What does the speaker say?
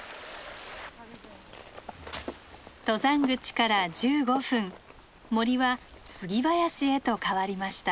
登山口から１５分森は杉林へと変わりました。